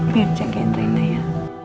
biar jagain rena ya